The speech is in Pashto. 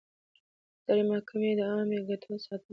اداري محکمې د عامه ګټو ساتنه کوي.